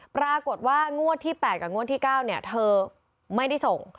ปรากฏว่างวดที่๘กับงวดที่๙เธอไม่ได้ส่ง